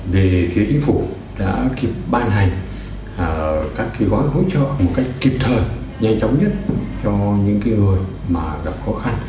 về phía chính phủ đã kịp ban hành các gói hỗ trợ một cách kịp thời nhanh chóng nhất cho những người gặp khó khăn